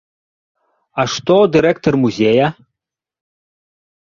А што дырэктар музея?